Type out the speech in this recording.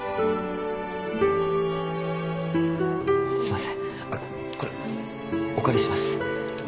すいませんあっこれお借りします。